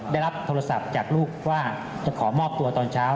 ได้รับโทรศัพท์จากลูกว่าจะขอมอบตัวตอนเช้า